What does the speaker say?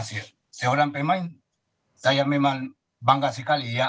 ya seorang pemain saya memang bangga sekali